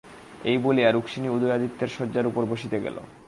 এই বলিয়া রুক্মিণী উদয়াদিত্যের শয্যার উপর বসিতে গেল।